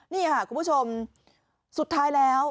นี่ค่ะคุณผู้ชมสุดท้ายแล้ว